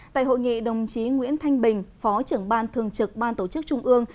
tại hội nghị đồng chí nguyễn thanh bình phó trưởng ban thường trực ban tổ chức trung ương